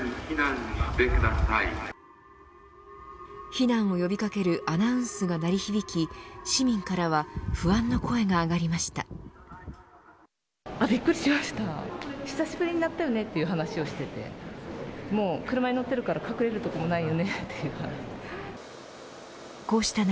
避難を呼び掛けるアナウンスが鳴り響き市民からは不安の声が上がりました。